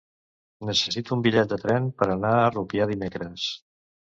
Necessito un bitllet de tren per anar a Rupià dimecres.